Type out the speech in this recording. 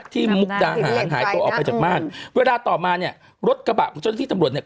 มุกดาหารหายตัวออกไปจากบ้านเวลาต่อมาเนี่ยรถกระบะของเจ้าหน้าที่ตำรวจเนี่ย